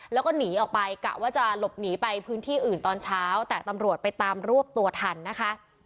แล้วก็หนีออกไปกะว่าจะหลบหนีไปพื้นที่อื่นตอนเช้าแต่ตำรวจไปตามรวบตัวทันนะคะ